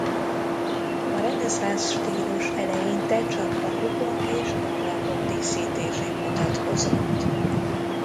A reneszánsz stílus eleinte csak kapukon és ablakok díszítésén mutatkozott.